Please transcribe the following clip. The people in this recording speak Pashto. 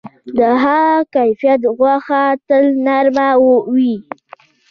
د ښه کیفیت غوښه تل نرم وي.